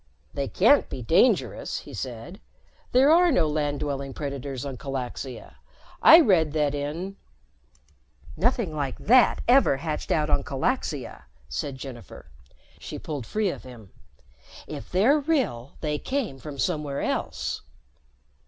"They can't be dangerous," he said. "There are no land dwelling predators on Calaxia. I read that in " "Nothing like that ever hatched out on Calaxia," said Jennifer. She pulled free of him. "If they're real, they came from somewhere else."